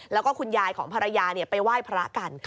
แล้วก็คุณยายของภรรยาไปไหว้พระกัน